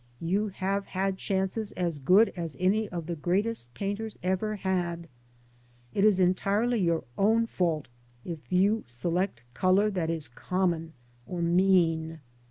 You have had chances as good as any of the greatest painters ever had. It is entirely your own fault if you select colour that is common or mean.